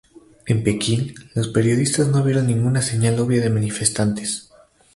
En Pekín, los periodistas no vieron ninguna señal obvia de manifestantes.